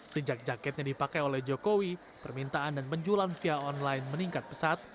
sejak jaketnya dipakai oleh jokowi permintaan dan penjualan via online meningkat pesat